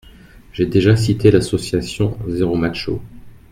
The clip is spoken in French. J’ai déjà cité l’association Zéromacho.